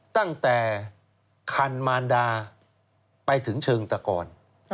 ตั้งแต่คันมารดาไปถึงเชิงตะกร